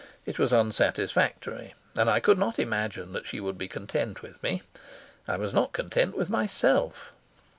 It was unsatisfactory, and I could not imagine that she would be content with me; I was not content with myself.